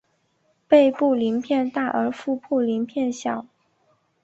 背部鳞片大而腹部鳞片小。